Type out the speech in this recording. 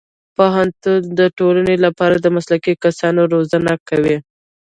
پوهنتون د ټولنې لپاره د مسلکي کسانو روزنه کوي.